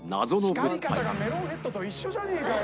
「光り方がメロンヘッドと一緒じゃねえかよ」